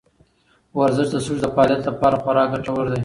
ورزش د سږو د فعالیت لپاره خورا ګټور دی.